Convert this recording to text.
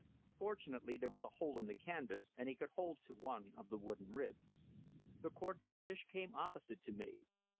Fortunately there was a hole in the canvas, and he could hold to one of the wooden ribs. The cortege came opposite to me.